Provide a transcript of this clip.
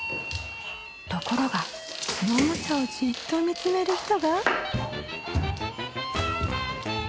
ところがこのおもちゃをじっと見つめる人が。